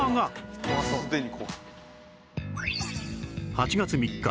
８月３日